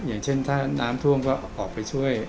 อย่างเช่นถ้าน้ำท่วมก็ออกไปช่วย